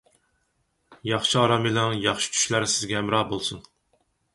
ياخشى ئارام ئېلىڭ، ياخشى چۈشلەر سىزگە ھەمراھ بولسۇن!